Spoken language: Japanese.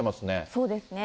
そうですね。